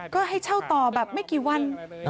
ก็ให้เช่าต่อแบบไม่กี่วัน